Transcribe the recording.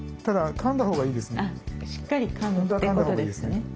かんだほうがいいですね。